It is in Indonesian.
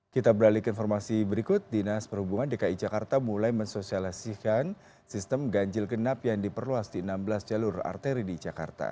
kita beralih ke informasi berikut dinas perhubungan dki jakarta mulai mensosialisikan sistem ganjil genap yang diperluas di enam belas jalur arteri di jakarta